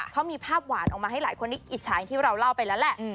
เขามีภาพหวานออกมาให้หลายคนนี้อิจฉาอย่างที่เราเล่าไปแล้วแหละ